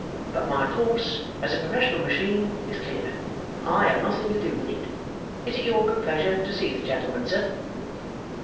But my course as a professional machine is clear; I have nothing to do with it. Is it your good pleasure to see the gentleman, sir?